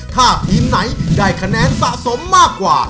ถ้าทีมไหนได้คะแนนสะสมมากกว่า